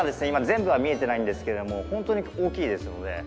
今全部は見えてないんですけれどもホントに大きいですので。